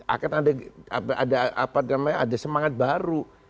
akan ada semangat baru